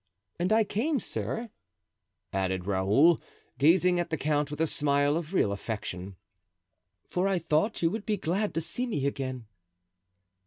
And I came, sir," added Raoul, gazing at the count with a smile of real affection, "for I thought you would be glad to see me again."